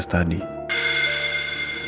bisa aja di usaha hubungi andin